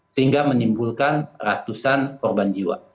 sehingga menimbulkan ratusan korban jiwa